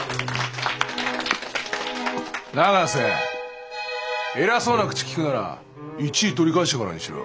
永瀬偉そうな口きくなら１位取り返してからにしろ。